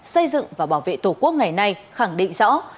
xây dựng và bảo vệ tổ quốc ngày nay khẳng định rõ